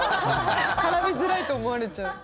絡みづらいと思われちゃう。